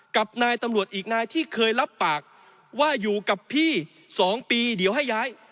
กับนายตำรวจอีกนายที่เคยรับปากว่าอยู่กับพี่๒ปีเดี๋ยวให้ย้าย